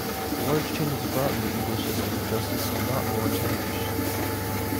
The large changes wrought in the English system of justice did not go unchallenged.